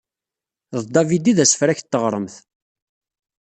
D David i d asefrak n teɣṛemt.